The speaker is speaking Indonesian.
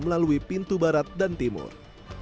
melalui pintu barat dan timur